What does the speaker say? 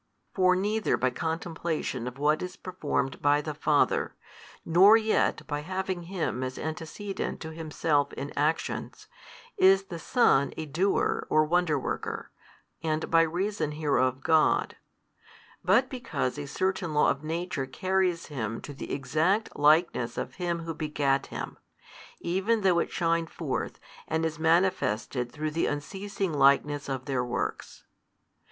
For neither by contemplation of what is performed by the Father, nor yet by having Him as antecedent to Himself in actions, is the Son a Doer or Wonder worker, and by reason hereof God: but because a certain law of Nature carries Him to the Exact Likeness of Him who begat Him, even though it shine forth and is manifested through the unceasing likeness of Their Works.